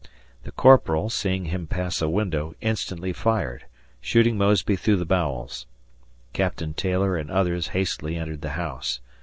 The Corporal, seeing him pass a window, instantly fired, shooting Mosby through the bowels. Captain Taylor and others hastily entered the house.